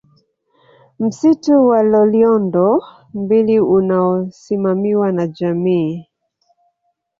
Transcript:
Msitu wa Loliondo mbili unaosimamiwa na jamii